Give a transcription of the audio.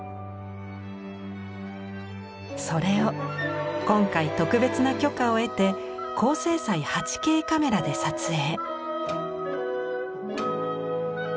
それを今回特別な許可を得て高精細８Ｋカメラで撮影。